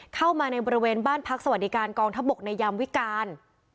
เข้ามาในบริเวณบ้านพักสวัสดิการกองทัพบกในยามวิการ